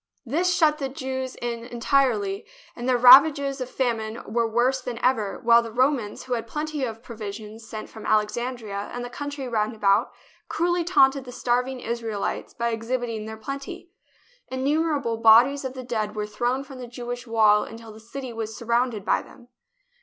This shut in the Jews entirely, and the ravages of THE BOOK OF FAMOUS SIEGES famine were worse than ever, while the Romans, who had plenty of provisions sent from Alexandria and the country round about, cruelly taunted the starving Israelites by exhibiting their plenty. In numerable bodies of the dead were thrown from the Jewish wall until the city was surrounded by them.